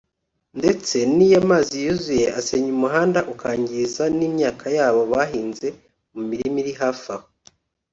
ndetse n’iyo amazi yuzuye asenya umuhanda akangiza n’imyaka yabo bahinze mu mirima iri hafi aho